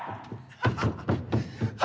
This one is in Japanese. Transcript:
ハハハッ！